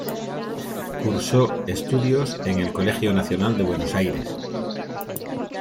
Cursó estudios en el Colegio Nacional de Buenos Aires.